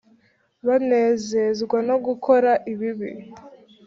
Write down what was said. banezezwa no gukora ibibi,